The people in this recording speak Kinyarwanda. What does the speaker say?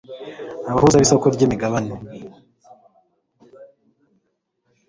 Abahuza bisoko ryimigabane